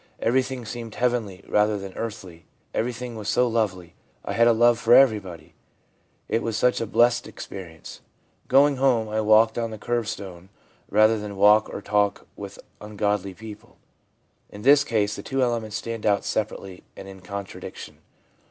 Everything seemed heavenly rather than earthly ; every thing was so lovely. I had a love for everybody. It was such a blessed experience ! Going home I walked on the curbstone rather than walk or talk with ungodly people/ In this case the two elements stand out separ ately and in contradiction.